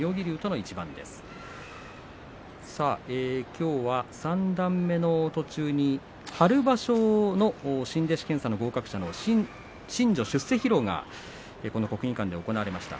きょうは三段目の途中に春場所の新弟子検査の合格者の新序出世披露がこの国技館で行われました。